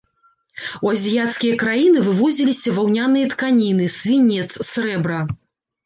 У азіяцкія краіны вывозіліся ваўняныя тканіны, свінец, срэбра.